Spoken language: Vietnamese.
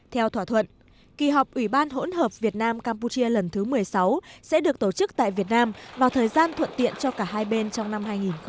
theo thỏa thuận kỳ họp ủy ban hỗn hợp việt nam campuchia lần thứ một mươi sáu sẽ được tổ chức tại việt nam vào thời gian thuận tiện cho cả hai bên trong năm hai nghìn một mươi chín